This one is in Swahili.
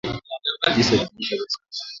jinsi ya kuchemsha viazi lishe